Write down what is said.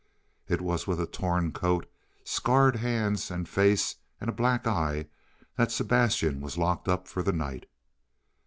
It was with a torn coat, scarred hands and face, and a black eye that Sebastian was locked up for the night.